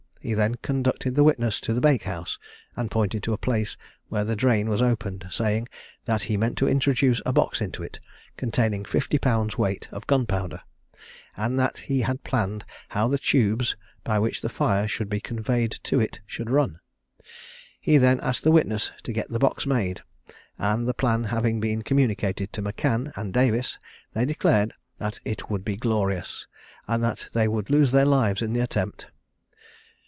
He then conducted the witness to the bake house, and pointed to a place where the drain was opened, saying, that he meant to introduce a box into it, containing 50lbs. weight of gunpowder; and that he had planned how the tubes, by which the fire should be conveyed to it, should run. He then asked the witness to get the box made; and the plan having been communicated to M'Can and Davis, they declared that it would be "glorious," and that they would lose their lives in the attempt.